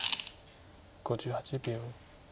５８秒。